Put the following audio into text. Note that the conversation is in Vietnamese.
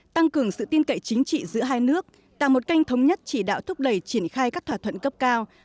tăng cường sự tin cậy chính trị giữa hai nước tạo một kênh thống nhất chỉ đạo thúc đẩy triển khai các thỏa thuận cấp cao